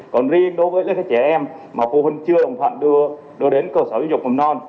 còn riêng đối với trẻ em mà phụ huynh chưa đồng thuận đưa đến cơ sở giáo dục mầm non